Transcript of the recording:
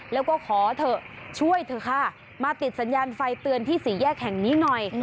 แล้วก็ขอเถอะช่วยเถอะค่ะมาติดสัญญาณไฟเตือนที่สี่แยกแห่งนี้หน่อย